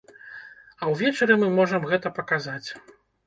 А ўвечары мы можам гэта паказаць.